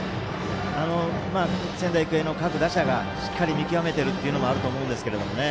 仙台育英の各打者がしっかり見極めているというのもあると思うんですけどね。